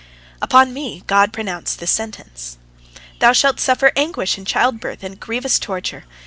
" Upon me God pronounced this sentence: "Thou shalt suffer anguish in childbirth and grievous torture.